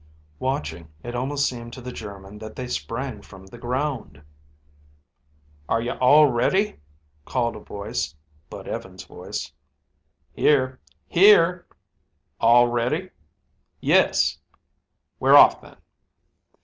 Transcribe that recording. Watching, it almost seemed to the German that they sprang from the ground. "Are you all ready?" called a voice, Bud Evans' voice. "Here " "Here " "All ready?" "Yes " "We're off, then."